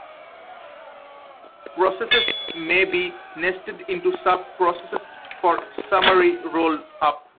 Processes may be nested into sub-processes for summary roll-up.